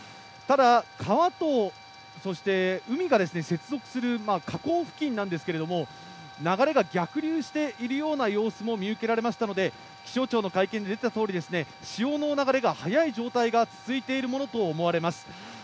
ただ川と海が接続する河口付近なんですけれども、流れが逆流しているような様子を見受けられましたので気象庁の会見で出ていたとおり潮の流れが速い状況が続いているものとみられます。